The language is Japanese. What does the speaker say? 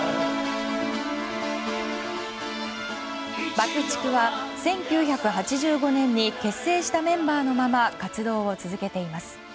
ＢＵＣＫ‐ＴＩＣＫは１９８５年に結成したメンバーのまま活動を続けています。